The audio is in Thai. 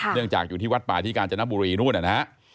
เนื่องจากอยู่ที่วัดป่าที่กาญจนบุรีนู้น